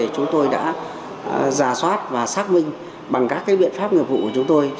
chúng tôi đã giả soát và xác minh bằng các biện pháp nghiệp vụ của chúng tôi